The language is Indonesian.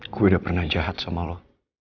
kue udah pernah jahat sama lo